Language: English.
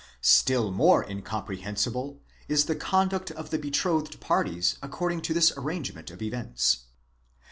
Still more incomprehensible is the conduct of the betrothed parties accord ing to this arrangement of events.